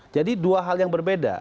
jadi dua hal yang berbeda